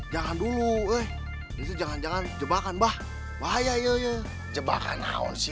jangan dulu jangan jangan jebakan bahaya jebakan